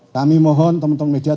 kami mohon teman teman media